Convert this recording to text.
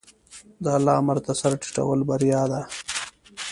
د الله امر ته سر ټیټول بریا ده.